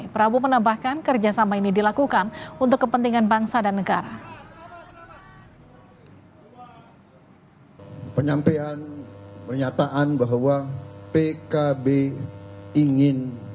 prabowo menambahkan kerjasama ini dilakukan untuk kepentingan bangsa dan negara